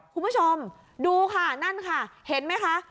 คุณผู้ชมดูค่ะนั่นค่ะเห็นไหมคะ